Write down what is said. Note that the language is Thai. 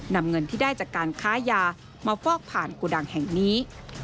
นำเงินที่ได้จากการค้ายามาฟอกผ่านโกดังแห่งนี้